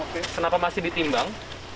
kenapa masih ditimbang